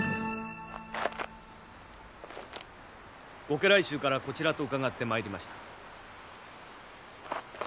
ご家来衆からこちらと伺って参りました。